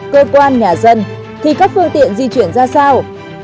cơ quan nhà dân thì các phương tiện di chuyển ra sao